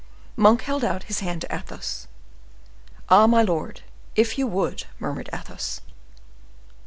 Monk held out his hand to Athos. "Ah! my lord, if you would!" murmured Athos.